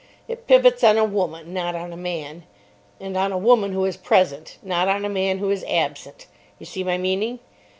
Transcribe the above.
It pivots on a woman, not on a man. And on a woman who is present, not on a man who is absent. You see my meaning?